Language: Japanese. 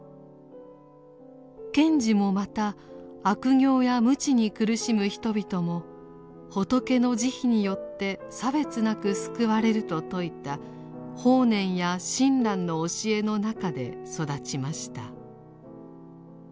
賢治もまた悪行や無知に苦しむ人々も仏の慈悲によって差別なく救われると説いた法然や親鸞の教えの中で育ちました。